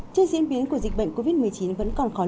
trên diễn biến của dịch bệnh covid một mươi chín vẫn còn khó lưu